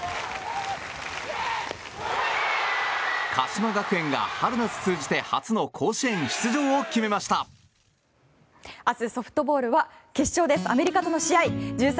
鹿島学園が春夏通じて初の甲子園出場を台風８号が接近します